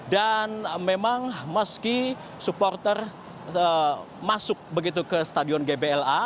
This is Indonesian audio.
dan memang meski supporter masuk begitu ke stadion gbla